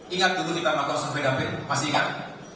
ingat dulu kita melakukan survei gamping masih ingat